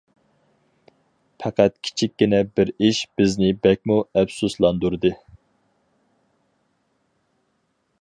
پەقەت كىچىككىنە بىر ئىش بىزنى بەكمۇ ئەپسۇسلاندۇردى.